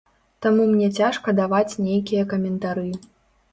Таму мне цяжка даваць нейкія каментары.